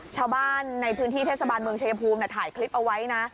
ชาวบ้านในพื้นที่เทศบาลเมืองชายภูมิถ่ายคลิปเอาไว้นะ